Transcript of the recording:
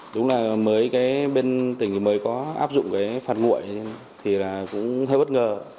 đúng là bên tỉnh mới có áp dụng phạt nguội thì cũng hơi bất ngờ